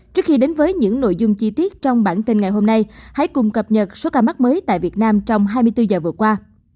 trước khi đến với những nội dung chi tiết trong bản tin ngày hôm nay hãy cùng cập nhật số ca mắc mới tại việt nam trong hai mươi bốn giờ vừa qua